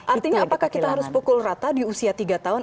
artinya apakah kita harus pukul rata di usia tiga tahun